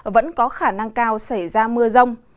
vẫn có khả năng cao xảy ra mưa rông